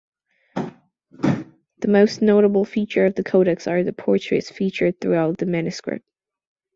The most notable feature of the codex are the portraits featured throughout the manuscript.